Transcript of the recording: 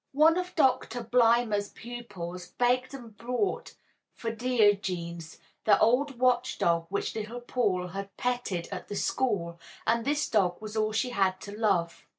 One of Doctor Blimber's pupils begged for and brought her Diogenes, the old watch dog which little Paul had petted at the school and this dog was all she had to love.